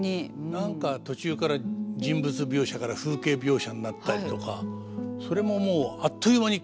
何か途中から人物描写から風景描写になったりとかそれももうあっという間に変わるっていうのがすごいですね。